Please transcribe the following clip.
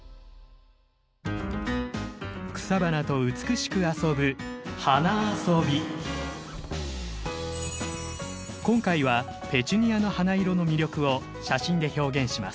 草花と美しく遊ぶ今回はペチュニアの花色の魅力を写真で表現します。